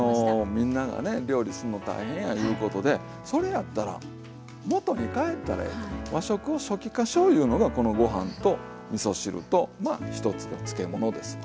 みんながね料理するの大変やいうことでそれやったら元に返ったらええと和食を初期化しよういうのがこのご飯とみそ汁とまあ一つの漬物ですわ。